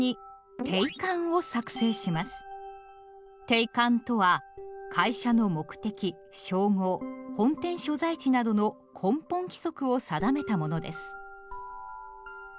定款とは会社の目的・商号・本店所在地などの根本規則を定めたものです。